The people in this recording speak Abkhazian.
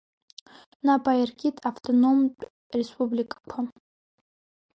Нап аиркит автономтә республикақәа…